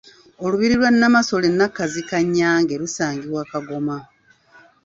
Olubiri lwa Nnamasole Nnakazi Kannyange lusangibwa Kagoma.